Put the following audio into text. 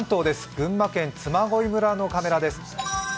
群馬県の嬬恋村のカメラです。